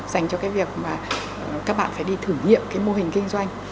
dành cho cái việc mà các bạn phải đi thử nghiệm cái mô hình kinh doanh